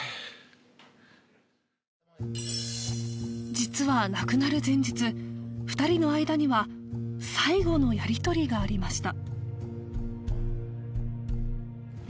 実は亡くなる前日２人の間には最後のやりとりがありました